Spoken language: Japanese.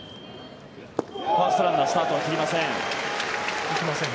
ファーストランナースタートは切りません。